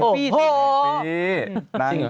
แฮปปี้แฮปปี้แฮปปี้แฮปปี้แฮปปี้